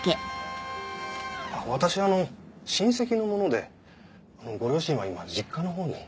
私あの親戚の者でご両親は今実家のほうに。